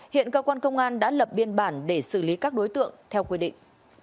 hiện cơ quan công an đã lập biên bản để xử lý các đối tượng theo quy định